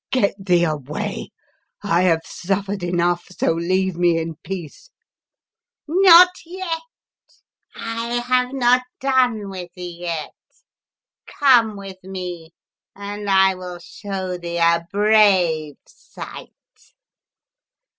" Get thee away! I have suffered enough, so leave me in peace!" '* Not yet, I have not done with thee yet. Come with me and I will show thee a brave sight."